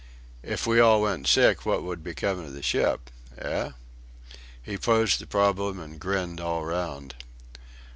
"If we all went sick what would become of the ship? eh?" He posed the problem and grinned all round.